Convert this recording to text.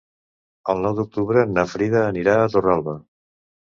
El nou d'octubre na Frida anirà a Torralba.